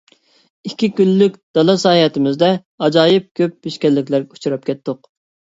ئىككى كۈنلۈك دالا ساياھىتىمىزدە ئاجايىپ كۆپ پېشكەللىكلەرگە ئۇچراپ كەتتۇق.